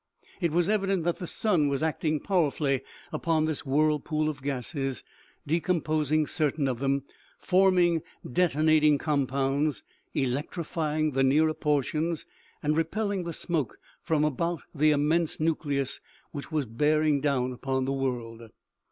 It was evident that the sun was acting powerfully upon this whirlpool of gases, decomposing certain of them, forming detonating compounds, electrifying the nearer portions, and repelling the smoke from about the immense nucleus which was bearing down upon the world.